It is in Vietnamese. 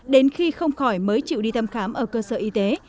đến khi không khỏi mới chịu đi thăm khám ở cơ sở y tế